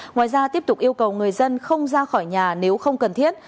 ngoài ra tiếp tục yêu cầu người dân không ra khỏi nhà nếu không cần thiết